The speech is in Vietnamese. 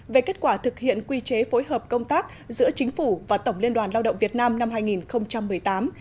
về kết quả thực hiện quy chế phối hợp công tác giữa chính phủ và tổng liên đoàn lao động việt nam năm hai nghìn một mươi tám